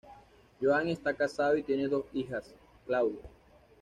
Joan está casado y tiene dos hijas; Claudia.